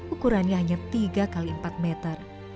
ukurannya hanya tiga x empat meter